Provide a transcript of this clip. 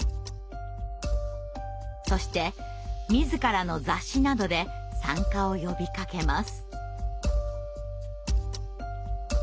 そして自らの雑誌などで参加を呼びかけます。